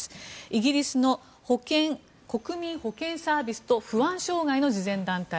イギリスの国民保健サービスと不安障害の慈善団体